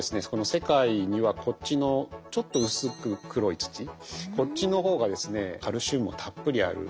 世界にはこっちのちょっと薄く黒い土こっちの方がですねカルシウムもたっぷりある。